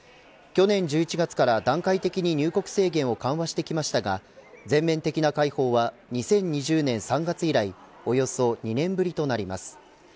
去年１１月から段階的に入国制限を緩和してきましたが全面的な開放は２０２０年３月以来およそ２年ぶりとなります。